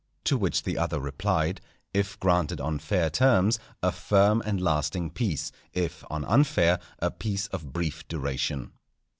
_" To which the other replied, "_If granted on fair terms, a firm and lasting peace; if on unfair, a peace of brief duration.